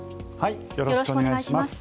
よろしくお願いします。